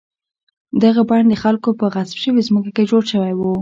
دغه بڼ د خلکو په غصب شوې ځمکه کې جوړ شوی و.